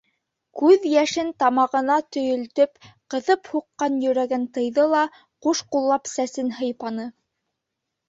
Күҙ йәшен тамағына төйөлтөп, ҡыҫып һуҡҡан йөрәген тыйҙы ла ҡуш ҡуллап сәсен һыйпаны.